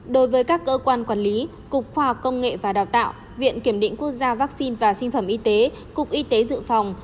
đối với các cơ quan quản lý cục khoa học công nghệ và đào tạo viện kiểm định quốc gia vaccine và sinh phẩm y tế cục y tế dự phòng